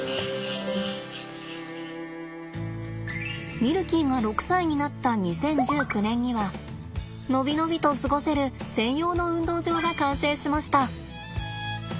ミルキーが６歳になった２０１９年には伸び伸びと過ごせる専用の運動場が完成しました。